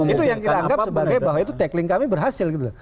itu yang kita anggap sebagai bahwa itu tackling kami berhasil gitu loh